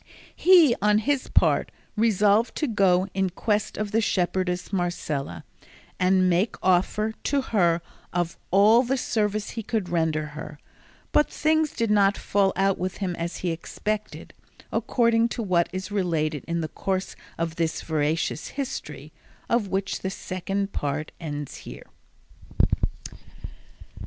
He, on his part, resolved to go in quest of the shepherdess Marcela, and make offer to her of all the service he could render her; but things did not fall out with him as he expected, according to what is related in the course of this veracious history, of which the Second Part ends here.